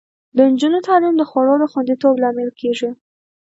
د نجونو تعلیم د خوړو د خوندیتوب لامل کیږي.